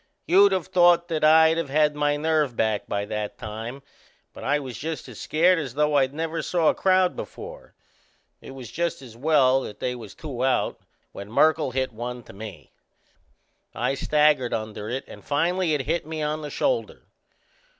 You'd of thought that I'd of had my nerve back by that time; but I was just as scared as though I'd never saw a crowd before. It was just as well that they was two out when Merkle hit one to me. I staggered under it and finally it hit me on the shoulder.